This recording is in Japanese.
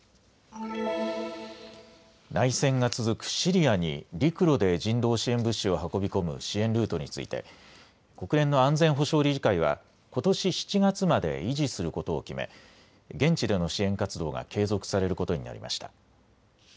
内戦が続くシリアに陸路で人道支援物資を運び込む支援ルートについて国連の安全保障理事会はことし７月まで維持することを決め現地での支援活動が継続されることになりました。